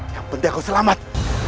yang penting aku selamat